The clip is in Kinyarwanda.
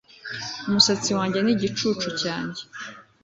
umusatsi wanjye nigicucu cyanjye